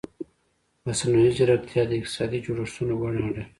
مصنوعي ځیرکتیا د اقتصادي جوړښتونو بڼه اړوي.